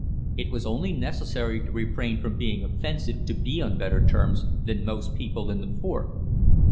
It was only necessary to refrain from being offensive to be on better terms than most people in the fort.